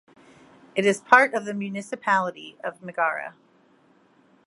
It is part of the municipality of Megara.